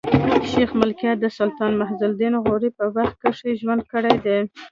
شېخ ملکیار د سلطان معز الدین غوري په وخت کښي ژوند کړی دﺉ.